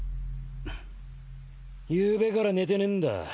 ゆうべから寝てねえんだ。